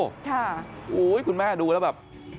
ใช่ครับคุณแม่ดูแล้วแบบ